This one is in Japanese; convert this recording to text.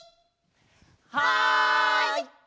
はい！